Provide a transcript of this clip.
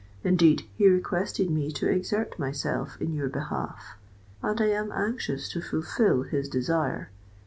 Indeed, he requested me to exert myself in your behalf; and I am anxious to fulfil his desire.